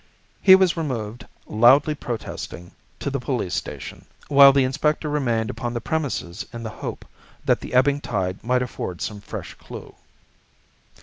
He was removed, loudly protesting, to the police station, while the inspector remained upon the premises in the hope that the ebbing tide might afford some fresh clue.